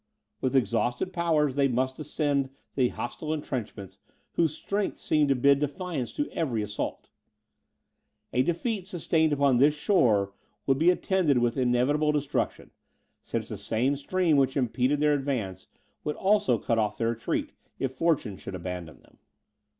With exhausted powers they must ascend the hostile entrenchments, whose strength seemed to bid defiance to every assault. A defeat sustained upon this shore would be attended with inevitable destruction, since the same stream which impeded their advance would also cut off their retreat, if fortune should abandon them.